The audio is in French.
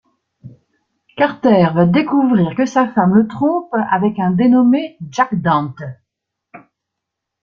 Carter va découvrir que sa femme le trompe avec un dénommé Jack Dante.